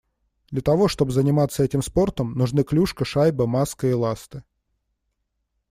Для того, чтобы заниматься этим спортом нужны клюшка, шайба, маска и ласты.